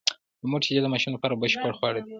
د مور شېدې د ماشوم لپاره بشپړ خواړه دي.